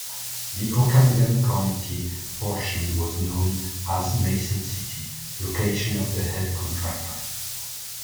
The Okanogan County portion was known as Mason City, location of the head contractor.